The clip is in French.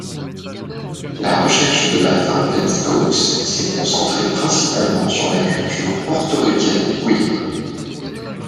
La recherche de La Fountain-Stokes s'est concentrée principalement sur la culture portoricaine queer.